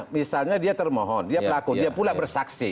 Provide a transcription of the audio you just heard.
misalnya dia termohon dia pelaku dia pula bersaksi